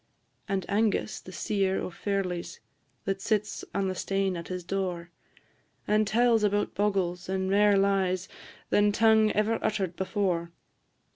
And Angus, the seer o' ferlies, That sits on the stane at his door, And tells about bogles, and mair lies Than tongue ever utter'd before.